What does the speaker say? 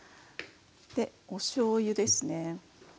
でおしょうゆですね。